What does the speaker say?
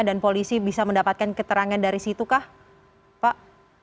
dan polisi bisa mendapatkan keterangan dari situ pak